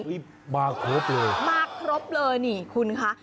มาครบเลยมาครบเลยนี่คุณคะ